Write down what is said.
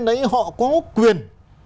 đấy họ có quyền